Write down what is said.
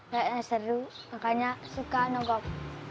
kayaknya seru makanya suka nongklok